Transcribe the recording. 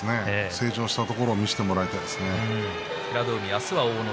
成長したところを見せてほしいですね。